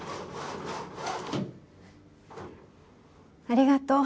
ありがとう。